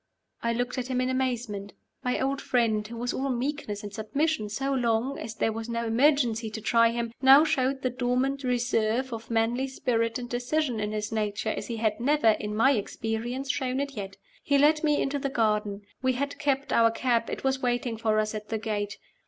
I looked at him in amazement. My old friend, who was all meekness and submission so long as there was no emergency to try him, now showed the dormant reserve of manly spirit and decision in his nature as he had never (in my experience) shown it yet. He led me into the garden. We had kept our cab: it was waiting for us at the gate.